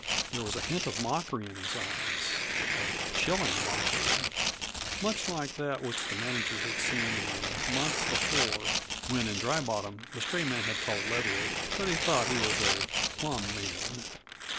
There was a hint of mockery in his eyes a chilling mockery, much like that which the manager had seen in them months before when in Dry Bottom the stray man had told Leviatt that he thought he was a "plum man."